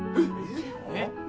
えっ！